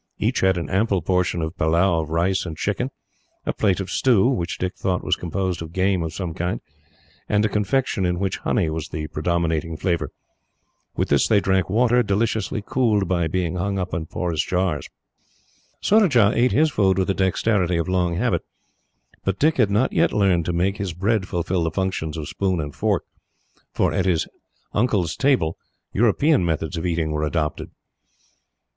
Each had an ample portion of a pillau of rice and chicken, a plate of stew, which Dick thought was composed of game of some kind, and a confection in which honey was the predominating flavour. With this they drank water, deliciously cooled by being hung up in porous jars. Surajah ate his food with the dexterity of long habit, but Dick had not yet learned to make his bread fulfil the functions of spoon and fork, for at his uncle's table European methods of eating were adopted.